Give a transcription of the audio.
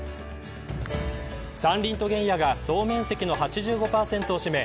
山林と原野が総面積の８５％を占め